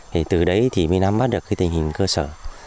thì từ đấy thì mình áp mắt được cái tình hình cơ sở